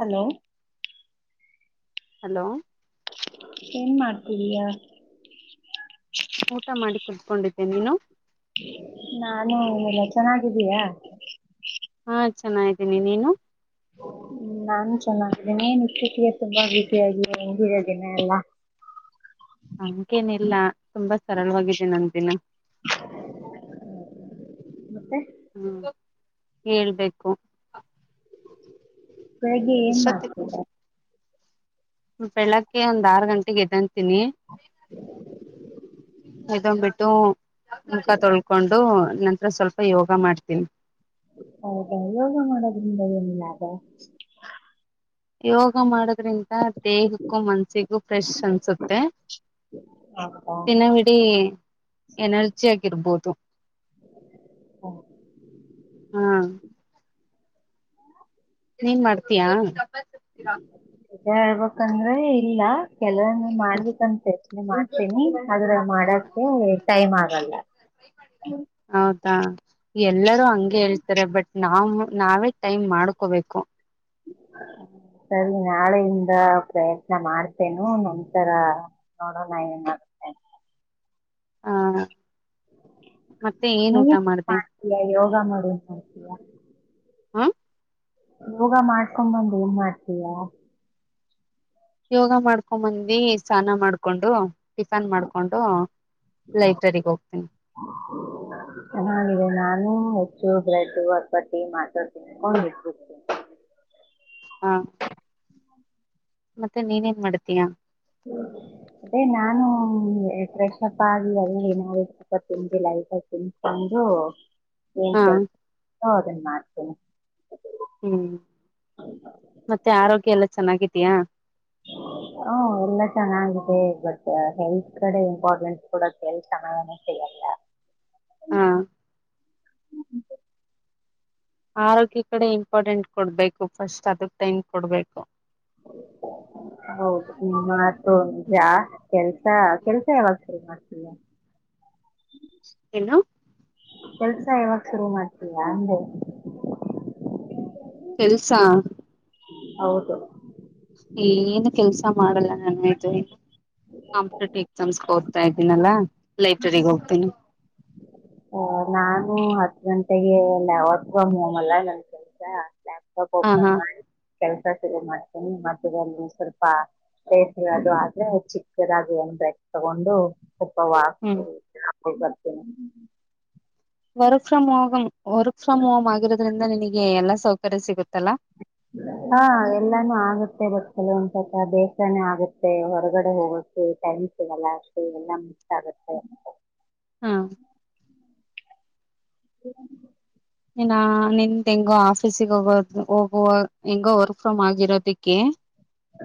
Hello hello ಏನ್ ಮಾಡ್ತಿದಿಯಾ ಊಟ ಮಾಡಿ ಕುುದ್ಕೊಂಡಿದ್ದೇ ನೀನು. ನಾನು ಎಲ್ಲ ಚೆನ್ನಾಗಿದ್ದೀಯ ಹಾ ಚೆನ್ನಾಗಿದಿನಿ ನೀನು? ಹ್ಮ್ ನಾನ್ ಚೆನ್ನಾಗಿದ್ದೀನ್ ಏನ್ ಇತೀಚಿಗೆ ತುಂಬಾ ಬ್ಯುಸಿಯಾಗಿ ಹೆಂಗಿದೇ ದಿನ ಎಲ್ಲ. ಹಂಗೆನಿಲ್ಲ ತುಂಬಾ ಸರಳವಾಗಿದೆ ನಂದಿನ ಮತ್ತೆ ಹ್ಮ್ ಹೇಳ್ಬೇಕು ಬೆಳಿಗ್ಗೆ ಏನ್ ಇಷ್ಟೊತ್ತ ಮಾಡ್ತೀರ ಬೆಳಗ್ಗೆ ಒಂದ್ ಆರ್ ಗಂಟೆಗ್ ಏದ್ದಂತೀನಿ. [inaudible] ಎದ್ದೋನ್ ಬಿಟ್ಟು ಮುಖ ತೊಳ್ಕೊಂಡು ನಂತರ ಸ್ವಲ್ಪ ಯೋಗ ಮಾಡ್ತೀನ್. ಹೌದಾ ಯೋಗ ಮಾಡೋದ್ರಿಂದ ಏನ್ ಲಾಭ. ಯೋಗ ಮಾಡದ್ರಿನ್ ದೇಹಕ್ಕೂ ಮನ್ಸಿಗೂ ಫ್ರೆಶ್ ಅನ್ಸುತ್ತೆ ಹೌದಾ ದಿನವಿಡ ಎನರ್ಜಿ ಆಗಿರ್ಬೋದು ಹ್ಮ್. ಹಾ ನೀನ್ ಮಾಡ್ತೀಯಾ. [unintelligible] ನಿಜಾ ಹೇಳ್ಬೇಕಂದ್ರೆ ಇಲ್ಲ ಕೆಲವೊಂದು ಮಾಡ್ಬೇಕಂತೆ ನಾ ಮಾಡ್ತೀನಿ ಆದ್ರ ಮಾಡಕ್ಕೆ ಟೈಮ್ ಆಗಲ್ಲ ರೆ ಬಟ್ ನಾವು ನಾವೇ ಟೈಮ್ ಮಾಡ್ಕೋಬೇಕು. ಸರಿ ನಾಳೆಯಿಂದ ಪ್ರಯತ್ನ ಮಾಡ್ತೇನು ನಂತರ ನೋಡೋಣ ಏನ್ ಮಾಡುತ್ತೇನೆ ಅಂತ. ಹಾ ನೀ ಮಾಡ್ತೀಯ ಯೋಗಾ ಮಾಡು ಅಂತೀಯಾ. ಹೂ ಯೋಗ ಮಾಡ್ಕೊಂಡ ಬಂದ್ ಏನ್ ಮಾಡ್ತೀಯಾ ಯೋಗ ಮಾಡ್ಕೊಂಬಂದಿ ಸ್ನಾನ ಮಾಡ್ಕೊಂಡು ಟಿಫನ್ ಮಾಡ್ಕೊಂಡು ಲೈಬ್ರರಿಗೆ ಹೋಗ್ತೀನಿ ಚೆನ್ನಾಗಿದೆ ನಾನು ಹೆಚ್ಚು ಬ್ರಡ್ ಅಪಟ್ಟಿ ಮಾತಾಡ ತಿಂಕೊಂತಾ ಇದಬಿಡ್ತೀನಿ. ಹಾ [unintelligible] ಮತ್ತೆ ನೀನೇನ್ ಮಾಡ್ತೀಯಾ.... ಅದೇ ನಾನು ಫ್ರೆಶ್ಪ್ ಆಗಿ ಅಲ್ಲಿ ನಿಪ್ಪಟ್ಟು ತಿಂದಿಲ್ಲ ನಿಪ್ಪಟ್ಟು ತಿನ್ಕೊಂಡು ಹು ಹಾ ಕಣೆ ಹೌದೆನ ಮಾಡ್ತೇನೆ. ಹ್ಮ್ ಮತ್ತೆ ಆರೋಗ್ಯ ಎಲ್ಲ ಚೆನ್ನಾಗಿದೀಯಾ? ಹ ಎಲ್ಲ ಚೆನ್ನಾಗಿದೆ ಬಟ್ ಹೆಲ್ತ್ ಕಡೆ ಇಂಪಾರ್ಟೆನ್ಸ್ ಕೊಡಕೆ ಟೈಮ್ ಚೆನ್ನಾಗ ಸಿಗಲ್ಲ ಹಾ ಹ್ಮ ಹ್ಮ ಆರೋಗ್ಯ ಕಡೆ ಇಂಪಾರ್ಟೆಂಟ್ ಕೊಡ್ಬೇಕು ಫಸ್ಟ್ ಅದಕ್ ಟೈಮ್ ಕೊಡ್ಬೇಕು. ಹೌದ ನಿನ್ನ ಮಾತು ನೀಜಾ ಕೆಲ್ಸ ಕೆಲ್ಸ ಯಾವಾಗ [unintelligible] [unintelligible] ಏನು ಕೆಲ್ಸ ಯಾವಾಗ ಶುರು ಮಾಡ್ತೀಯಾ ಅಂದೆ. ಕೆಲ್ಸ ಹೌದು ಏನು ಕೆಲ್ಸ ಮಾಡಲ್ಲ ನಾನು [unintelligible] ಕಾಂಪಿಟೇಟಿವ್ ಎಕ್ಸಾಮ್ಸ್ಗೆ ಓದ್ತಾ ಇದ್ದೀನಲ್ಲಾ. ಲೈಬ್ರೇರಿ ಹೋಗ್ತೀನಿ. ವೋ ನಾನು ಹತ್ ಗಂಟೆಗೆ ಎಲ್ಲ ವರ್ಕ್ ಫ್ರಂ ಹೋಮ್ ನನ್ ಕೆಲ್ಸ ಲ್ಯಾಪ್ಟಾಪ್ ಹ ಓಪನ್ ಹಾ ಮಾಡಿ ಕೆಲ್ಸ ಕೆಲ್ಸ ಶುರು ಮಾಡ್ತೀನಿ ಬಾಕಿ ಇನ್ನೂ ಸ್ವಲ್ಪ. [unintelligible] ದಾಗಿ ಬ್ರೇಕ್ ತಗೊಂಡು. ಸ್ವಲ್ಪ ಹ್ಮ್ ವಾಕೂ. ಹೋಗ್ಬರ್ತೀನಿ. Work from home. Work from home ಆಗಿರೋದ್ರಿಂದ ನಿನಗೆ ಏನು ಸೌಕರ್ಯ ಸಿಗುತ್ತಲ್ಲಾ. ಹಾ ಎಲ್ಲಾನು ಆಗುತ್ತೆ ಬಟ್ ಕೆಲವಂದ ಸದಾ ಬೇಸರನು ಆಗುತ್ತೆ ಹೊರಗಡೆ ಹೋಗೋಕಕ್ಕೆ ಟೈಮ್ ಸಿಗಲ್ಲ ಅಷ್ಟೆ ಎಲ್ಲಾ ಮಿಕ್ಸ್ ಆಗುತ್ತೆ ಅಂತ. ಹಾ [unintelligible] [unintelligible] ಇನ್ನ ನಿಂದ ಹೆಂಗೋ ಆಫೀಸಿಗೆ ಹೋಗೋದು ಹೋಗುವ ಹೆಂಗೋ ವರ್ಕ್ ಫ್ರಮ್ ಆಗಿರೋದಿಕ್ಕೆ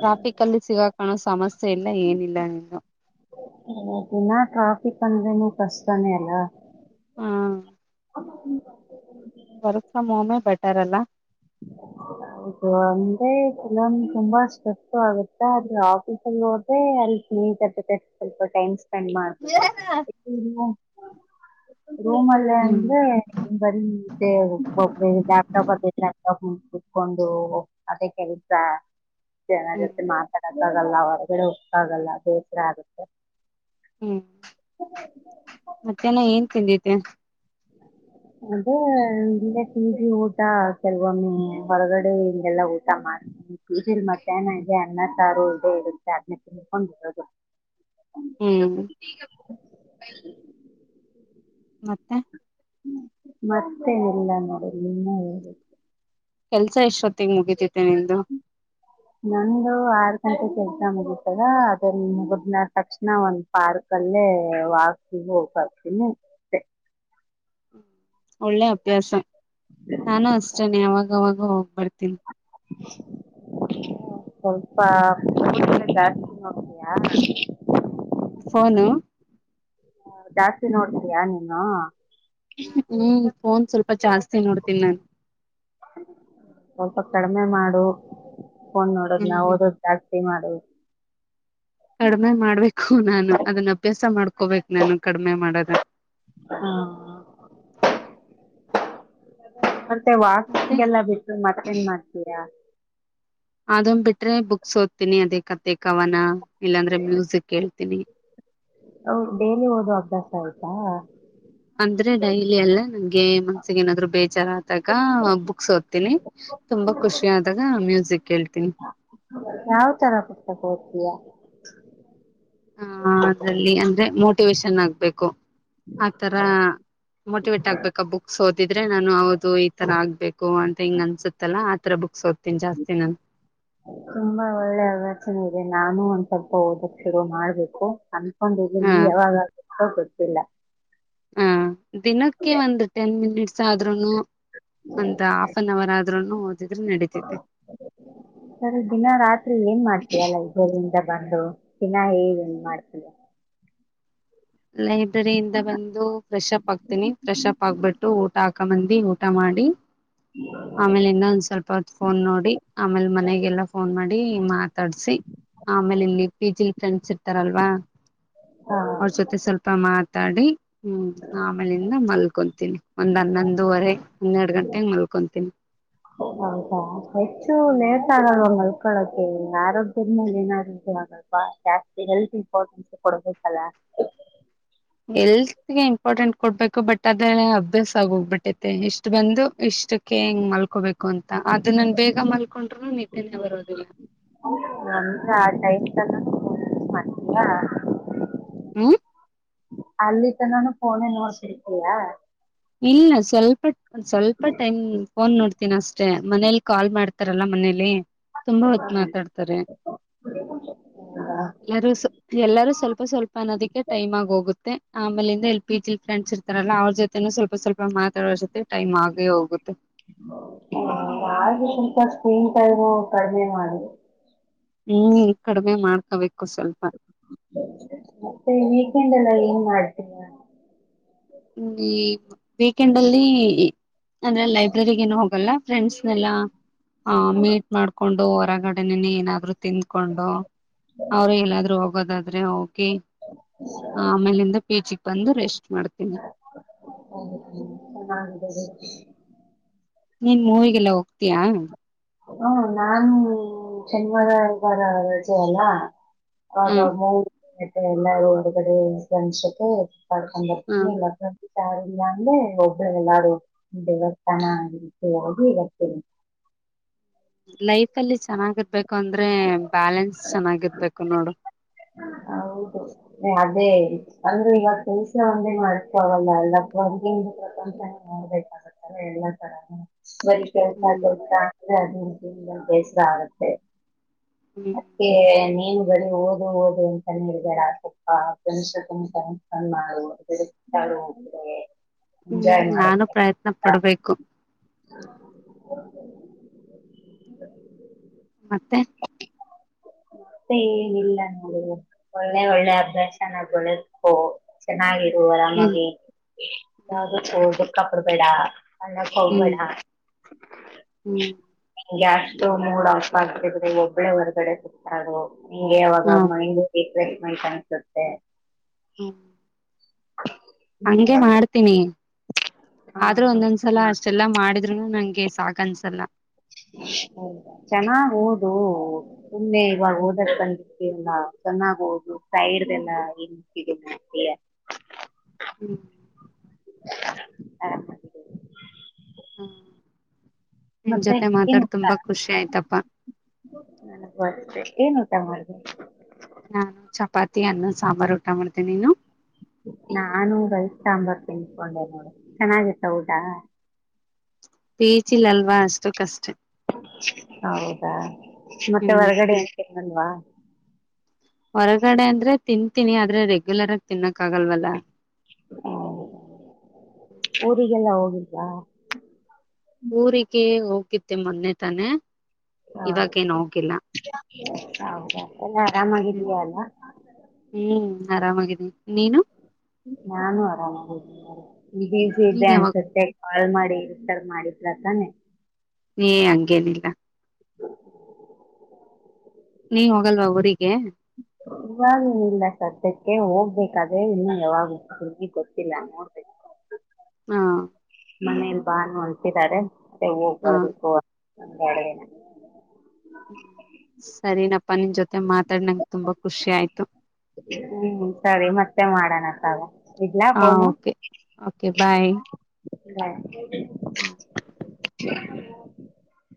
ಟ್ರಾಫಿಕ್ಲ್ಲಿ ಸಿಗಕಲೋ ಸಮಸ್ಯೆ ಇಲ್ಲ ಏನಿಲ್ಲ ನೀನು ದಿನ ಟ್ರಾಫಿಕ್ ಅಂದ್ರೆನು ಕಷ್ಟನೇ ಅಲ್ಲ ಹಾ [unintelligible] ವರ್ಕ್ ಫ್ರಂ ಹೋಮ್ ಬೆಟರ್ ಅಲ್ಲಾ ಹೌದು ಅಂದ್ರೆ ಕೆಲೋ ತುಂಬಾ ಕಷ್ಟ ಆಗುತ್ತ ಅದೇ ಆಫೀಸಲ್ಲಿ ಹೋದ್ರೆ ಅಲ್ಲಿ ನೀಟ್ ತ ಸ್ವಲ್ಪ ಟೈಮ್ ಸ್ಪೆಂಡ್ ಮಾಡ್ಬದು. ರೂಮ್ ಅಲ್ಲ ಹ್ಮ್ ಅಂದ್ರೆ ಬರಿ ಇದೆ ಲ್ಯಾಪ್ಟಾಪ್ ಅ ಕುತ್ಕೊಂಡು ಅದೇ ಕೆಲಸ ಜನ ಹ್ಮ್ ಜೊತೆ ಮಾತಾಡದು ಆಗಲ್ಲ ಹೊರಗಡೆ ಹೋಗಕ ಆಗಲ್ಲ ಬೇಸರ ಆಗುತ್ತೆ ಹ್ಮ್ ಮಧ್ಯಾನ ಏನ್ ತಿಂದಿದ್ದೆ. ಅದೇ ಇಲ್ಲೆ ಪಿಜಿ ಊಟ ಕೆಲ್ವೊಮ್ಮೆ ಹೊರಗಡೆ ಹಿಂಗೆ ಊಟ ಮಾಡ್ತೀವಿ ಪಿಜಿಲೀ ಮಧ್ಯಾಹ್ನ ಇದೆ ಅನ್ನ ಸಾರು ಇದೆ ಇರುತೆ ಅದ್ನೆ ತಿನ್ಕೊಂಡು ಬರೋದು. ಹ್ಮ್. ಮತ್ತೆ. ಮತ್ತೆನ ಇಲ್ಲಾ ನೋಡು ನೀನೆ ಹೇಳ್ಬೇಕು. ಕೆಲ್ಸ ಎಷ್ಟೊತ್ತಿಗೆ ಮುಗೀತೈತಿ ನಂದು ಆರ್. ಗಂಟೆಗ್ ಕೆಲಸ ಮುಗೀತದ ಅದ ಮುಗದನ ತಕ್ಷಣ ಒಂದ್ ಪಾರ್ಕ್ ಅಲ್ಲೇ ವಾಕ ಹೋಗ ಬರ್ತೀನಿ ಅಷ್ಟೇ ಒಳ್ಳೆ ಅಭ್ಯಾಸ. ನಾನು ಅಷ್ಟೇನ್ ಯಾವಾಗ್ ಯಾವಾಗ್ಲೂ ಹೋಗ್ ಬರ್ [unintelligible] ನೀವು ಸ್ವಲ್ಪ [unintelligible] ಜಾಸ್ತಿ ನೋಡ್ತೀಯ? ಫೋನು ಜಾಸ್ತಿ ನೋಡ್ತಿಯಾ ನೀನು ಹ್ಮ್ ಫೋನ್ ಸ್ವಲ್ಪ ಜಾಸ್ತಿ ನೋಡ್ತೀನಿ ನಾನ್ ಸ್ವಲ್ಪ ಕಡ್ಮೆ ಮಾಡು. ಫೋನ್ ಹ್ಮ್ ನೋಡೋದ್ನ ಓದೋದ್ ಜಾಸ್ ಸ್ತಿ ಮಾಡ್ ನಾನ್ ಮಾಡ್ಬೇಕು ನಾನ್ ಅದನ್ನ ಅಭ್ಯಾಸ ಮಾಡ್ ಹಾಕೋಬೇಕ್ ನಾನು ಕಡಿಮೆ ಮಾಡದ ಹಾ [inaudible] ತ್ತೆ ಮತ್ತೆ ವಾಕಿಂಗೆಲ್ಲಾ ಬಿಟ್ಟು ಮತ್ತೇನ್ ಮಾಡ್ತೀರ. ಅದನ್್ ಬಿಟ್ರೆ ಬುಕ್ಸ್ ಓದ್ತೀನಿ ಅದೇ ಕತೆೆ ಕವನ ಇಲ್ಲಾಂದ್ರೆ ಮ್ಯೂಸಿಕ್ ಹೇಳ್ತೀನಿ ಹ ಡೇಲಿ ಓದುವ ಅಭ್ಯಾಸ ಆಯ್ತಾ. ಅಂದ್ರೆ ಡೈಲಿ ಎಲ್ಲಾ ನಂಗೆ ಮನ್ಸಿಗೆ ಏನಾದ್ರು ಬೇಜಾರ ಆದಾಗ ಬುಕ್ಸ್ ಓದ್ತೀನಿ ತುಂಬಾ ಖುಷಿ ಆದಾಗ ಮ್ಯೂಸಿಕ್ ಹೇಳ್ತೀನಿ ಯಾವ ತರ ಪುಸ್ತಕ [unintelligible] ಹಾ ಅದ್ರಲ್ಲಿ ಅ. ೆ ಮೋಟಿವೇೇಶನ್ ಆಗ್ಬೇಕು ಆತರ ಮೋಟಿವೇಟ್ ಆಗ್ಬೇಕ ಬುಕ್ಸ್ ಓದಿದ್ರೆ ನಾನು ಹೌದು. ಈ ತರ ಆಗ್ಬೇಕು ಅಂತ ಹಿಂಗ್ ಅನ್ಸುತ್ತಲ್ಲಾ ಆತರ ಬುಕ್ಸ್ ಓದ್ತೀನಿ ಜಾಸ್ತಿ ನಾನು ತುಂಬಾ ಒಳ್ಳೆ ಆಲಚನೆೆ ಇದೆ ನಾನು. ಸ್ವಲ್ಪ ಓದೋಕೆ ಶುರು ಮಾಡ್ಬೇಕು ಅನ್ಕೊ. ಒಂದು ಹ ನೀ ಹೌ ಗೊತ್ತಿಲ್ಲ ಹ ದಿನಕ್ಕೆ ಒಂದು ಟೆನ್ ಮಿನಿಟ್ಸ್ ಆದ್ೂನು ಓದಿದ್ರೆ ನಡೀತೈತೆ ಸರಿ ದಿನ ರಾತ್ರಿ ಏನ್ ಮಾಡ್ತೀಯಲ್ಲ ಇದಬರಿಿಂದ ಬಂದು ದಿನಾ ಹೇ ಮಾಡ್ತಿನಿ. ಲೈಬ್ರರಿಯಿಂದ ಬಂದು ಫ್ರೆಶ್ಪ್ ಆಾಕ್ತೀನಿ ಫ್ರೆಶ್ ಅಪ್ ಆಕ್ಬಿಟ್ಟು ಊಟ ಹಾಕಂಬಂದಿ ಊಟ ಮಾಡಿ ಆಮೇಲೆ ಇನ್ನ ಒಂದ್ ಸ್ವಲ್ಪ ಹೊತ್ತು ಫೋನ್ ನೋಡಿ ಆಮೇಲೆ ಮನೆಗೆಲ್ಲ ಫೋನ್ ಮಾಡಿ ಮಾತಾಡ್ಸಿ ಆಮೇಲೆ ಇಲ್ಲಿ ಪಿ ಜಿ ಫ್ರೆಂಡ್ಸ್ ಇರ್ತಾರಲ್ವಾ ಹಾ ಅವ್ರಜೊತೆ. ಮಾತಾಡಿ. ಹ್ಮ್ ಆಮೇಲಿಂದ ಮಲ್. ಮಲ್ಕೊತೀನಿ ಒಂದ್ ಹನ್ನೊಂದುವರೆ ಹನ್ನೆರಡು ಗಂಟೆೆಗೆ ಮಲ್ಕೊತೀನಿ. ಹೌದಾ ಹೆಚ್ಚು ನೇರ್ತಾಗ ಮಕ್ಕಳಕ ಆರೋಗ್ಯದ ಮೇಲೆ ಏನರೋಗ್ಯ ಆಗಲ್ವಾ ಜಾಸ್ತಿ ಹೆಲ್ತ್ ಇಂಪಾರ್ಟೆನ್ಸ್ ಕೊಡಬೇಕಲ್ಲ. ಎಲ್ತ್ಗೆ ಇಂಪಾರ್ಟೆಂಟ್ ಕೊಡ್ಬೇಕು ಬಟ್ ಅದ್ರ ಅಭ್ಯಾಸ ಆಗೋಗ್ಬಿಟ್ಟೈತೆ ಇಷ್ಟ್ ಬಂದು ಇಷ್ಟಕ್ಕೆ ಹೆಿಂಗ್ ಮಲ್ಕೋಬೇಕು ಅಂತ ಅದು ನನ್ ಬೇಗ ಮ. ಹಕೊಂಡ್ರು ನಿಿದ್ದನೇ ಬರೋದಿಲ್ಲ ನ ಟೈಮ ತ ಮಾಡ್ತಯಾ. ಹ್ಮ. ಅಲ್ಲಿ ತನಾನು ಫೋನೇ ನೋಡ್ತಿರ್ತಿಯಾ. ಇಲ್ಲ ಸ್ವಲ್ಪ ಒಂದ್ ಸ್ವಲ್ಪ ಟೈಮ್ ಫೋನ್ ನೋಡ್ತೀನ ಅಷ್ಟೇ. ಮನೇಲಿ ಕಾಲ್ ಮಾಡ್ತಾರಲ್ಲಾ ಮನೇಲಿ. ತುಂಬಾ ಹೊತ್ ಮಾತಾಡ್ತಾರೆ ಎಲ್ಲಾರು ಎಲ್ಲಾರೂ ಸ್ವಲ್ಪ ಸ್ವಲ್ಪ ಅನ್ನೋದಕ್ಕೆ ಟೈಮ್ ಆಗ ಹೋಗುತ್ತೆ ಆಮೇಲಿಂದ ಎಲ್ ಪಿ ಜಿ ಫ್ರೆಂಡ್ಸ್ ಇರ್ ತರಲ್ಲ ಅವ್ರ್ ಜೊತೆ. ಸ್ವಲ್ಪ ಸ್ವಲ್ಪ ಮಾತಾಡೋ ಜೊತೆ ಟೈಮ್ ಆಗೇ ಹೋಗುತ್ತೆ. ನಾು ಸ್ವಲ್ಪ ಸ್ಕ್ರೀನ್ ಟೈಮು ಕಡಿಮೆ ಮಾಡುದು ಹ್ಮ್ ಕಡಿಮೆ ಮಾಡ್ಕೊಬೇಕು ಮತ್ತೆ ಕೆಂಡಲ್ಲ. ನೀ ಮಾಡ್ತೀರಾ. ಹ್ಮ ವೀಕೆಂಡ್ ಅಲ್ಲಿ ಅಂದ್ರೆ ಲೈಬ್ರರಿಗೇನು ಹೋಗಲ್ಲ ಫ್ರೆಂಡ್ಸ್ನೆಲ್ಲಾ ಹ ಮೀಟ್ ಮಾಡ್ಕೊಂಡು. ಹೊರಗಡೆನೆನೆ ಏನಾದ್ರು ತಿಂದ್ಕೊಂಡು ಅವರು ಎಲ್ಲಾದ್ರೂ ಹೋಗೋದಾದ್ರೆ ಹೋಗಿ ಆಮೇಲಿಂದ ಪೀಚಿಗೆ ಬಂದು ರೆಸ್ಟ್ ಮಾಡ್ತ ಹೌದು ಚೆನ್ನಿದ್ದಾರೆ. [unintelligible] ನೀನ್ ಮೂವಿಗೆಲ್ಲ ಹೋಗ್ತೀಯಾ. ಹ್ಮ ನಾು ಶನ್ಿವಾರ ಇವಾರ ರಜೆ ಅಲ್ಲ ಹ ಅವಾಗ ಎಲ್ಲಾರೂ ಹೊರಗಡೆ ಸ್ಂಡಸತೆ ಪಡ್ಕೊಂಡ್ ಬರ್ ಹ ಇಲ್ಲ ಸ ಾರಲ್ಲಾ ಅಂದ್ರೆ ಒಬ್ಬಳ ಎಲ್ಲಡೂ ದೇವಸ್ಥಾನ ರೀತಿಯೋಗ ಇಡತೇರಿ ಲೈಫ್ ಅಲ್ಲಿ ಚೆನ್ನಾಗಿರ್ಬೇಕು ಯಾಕಂದ್ರೆ ಬ್ಯಾಲೆನ್ಸ್ ಚೆನ್ನಾಗಿರ್ಬೇಕು ನೋಡು ಹೌದು ಅದೇ ಅಂದ್ರೆ ಈವತ್ತು ಕೆಲ್ಸ ಒಂದೇ ಮಾಡ್ಕೊಲ್ಲ ಎಲ್ಲ ತ ನೋಡ್ಬೇಕಾಗತ್ತಾರೆ ಎಲ್ಲಾ ತರಾನ ಬರಿ ಕೆೇಲಸಾ ಹ್ಮ್ ಬಸ್ ಆಗುತ್ತೆ ಹ್ಮ್ ಮತ್ತೆ ನೀನು ಬಡಿ ಓದು ಓದು ರು [unintelligible] ಗಡ [unintelligible] ತುಪ್ಪ ತ [unintelligible] ಮಾಡುೆ ಹ್ಮ್ ನಾನು ಪ್ರಯತ್ನ ಪಡ್ಬೇಕು ಮತ್ತೆ ಮತ್ತೆ ಏನಿಲ್ಲ ನೋಡು ಒಳ್ಳೆ ಒಳ್ಳೆ ಅಭ್ಯಾಸನ ಗಳಕೋ ಚೆನ್ನ ಹ್ಮ್ ಆರಾಮಾಗಿ ಯಾ ಕಪಡ ಬೇಡ ಹಳಕ್ ಹೋಗ್ಬೇಡ ಹ್ಮ್ ಹ್ಮ್ ಜಾಸ್ತಿ ಮೂಡ್ ಆಫ್ ಆಗ್ತ್ರೆ ಒಬ್ಬಳೆ ಹೊರ್ಗಡೆ ಸಿಕ್ಾಗು ಹಿಂಗೆ ಯಾವಾಗ ಹಾ ಮೈಂಡ್ ವೆರಿ ಮೈಟ್ ಅನ್ಸುತ್ತೆ ಹ್ಮ ಹಂಗೆ ಮಾಡ್ತೀನಿ. ಹಾ, ಆದ್ರೆ ಒಂದೊಂದ್ಸಲ ಅಷ್ಟೆಲ್ಲಾ ಮಾಡ್ ದ್ರುನು ನಂಗೆ ಸಾಕ್ ಅನ್ಸಲ್ಲ. ಹೌದ ಚೆನ್ನಾಗೋದು ಸುಮ್ಮ್ನೆ ಇವಾಗ ಓದಕ್ ಕಂಡಕ್ಕೆಲ್ಲಾ ಚೆನ್ನಾಗ್ ಓದು ಟೈರ್ದೆಲ್ಲ ಲಿಂಕ್ ಇದೆ ನಿಂಗೆ ಹ್ಮ್ ಅರಾಮ್ ಅಗಿದೇರಿ. ಹ್ಮ ನಿನ್ ಮತ್ತೆ ಜೊತೆ ಏನ್ ಮಾತಾಡ್ ಊಟ ತುಂಬಾ ಖುಷಿ ಆಯ್ತಪ್ಪಾ ನನ್ಗ್ ಗೊತ್ತೇ ಏನ್ ಟ ಮಾಡ್ದೇ ನಾನು ಚಪಾತಿ ಅನ್ನ ಸಾಂಬಾರು ಊಟ ಮಾಡ್ದೆ ನೀನು ನಾನೂ ರೈಸ್ ಸಾಂಬಾರ್ ತಿನ್ಸ್ಕೊಂಡೆ ನೋಡು ಚೆನ್ನಾಗಿತ್ತ ಊಟ. ಪಿ ಜಿ ಲ್ ಅಲ್ವಾ ಅಷ್ಟುಕಷ್ಟೆ. ಹೌದಾ ಮತ್ತೆ ಹ್ಮ್ ಒಳಗಡೆ ಏನ್ ತಿನ್ನಲ್ವಾ. ಹೊರಗಡೆ ಅಂದ್ರೆ ತಿಂತೀನಿ ಆದ್ರೆ ರೆಗ್ಯುಲರ್ ಆಗ್ ಹೌದೌದು ಊರಿಗೆಲ್ಲ ಹೋಗಿ ಹಾ ಊರಿಗೆ ಹೋ ಕಿತ್ತಿ ಮೋನ್ನೆ ತಾನೆ ಹಾ ಇವಾಗ ಏನ್ ಹೋಗಿಲ್ಲ ಹೌದಾ ಎಲ್ಲ ಹ್ಮ್ ಆರಾಮಾಗಿದಿಯ ಅಲ್ಲ. ಹ್ಮ್ ಆರಾಮಾಗಿದ್ದೀನಿ ನೀನು ನಾನು ಆರಾಮಾಗಿದೀನಿ ನೋಡು ನೀ ಬ್ಯುಸಿ ಇದ್ದೆ ನೀನ್ ಯಾವಾಗ ಅನ್ಸುತ್ತೆ ಕಾಲ್ ಮಾಡಿ ಡಿಸ್ಟೆರ್ಬ್ ಮಾಡಿ ಇಲ್ಲಾತಾನೆ ಏ ಹಂಗೇನಿಲ್ಲ. ನೀ ಹೋಗಲ್ವಾ ಊರಿ ಇವಾಗ ಏನೀಲ್ಲ ಸಧ್ಯಕ್ ಕ್ಕೇ ಹೋಗ್ಬೇಕಾದ್ರೇ ಇನ್ನೂ ಯಾವಾಗಂತ ಸರಿ ಗೊತ್ತಿಲ್ಲ ನೋಡ್ಬೇಕ್ ಹಾ ಮನೇಲಿ ಬಾ ನೂ ಅಂತಿದಾರೆ ಹೋಗ್ ಹಾ ಬರ್ಬೇಕು ಹಂಗಾಡದೇನ. [inaudible] ಸರಿನ ಅಪ್ಪ ನಿನ್ ಜೊತೆ ಮಾತಾಡ್ ನಂಗ್ ತುಂಬಾ ಖುಷಿ ಆಯ್ತು ತ್ತೆ ಮಾಡೋಣ ತಗೋ ಹಾ ಓಕೆ ಓಕೆ ಬಾಯ್ ಹ ಹಾ [unintelligible]